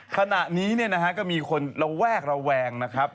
ขณะนี้เนี่ยนะฮะก็มีคนระแวกระแวงนะครับ